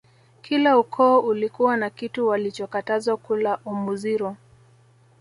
kila ukoo ulikuwa na kitu walichokatazwa kula Omuziro